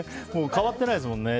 変わってないですもんね。